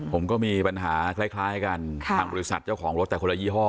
ผมก็มีปัญหาคล้ายกันทางบริษัทเจ้าของรถแต่คนละยี่ห้อ